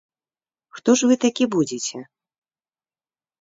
Хто ж вы такі будзеце?